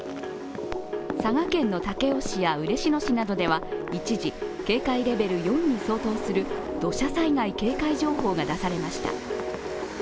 佐賀県の武雄市や嬉野市などでは一時警戒レベル４に相当する土砂災害警戒情報が出されました。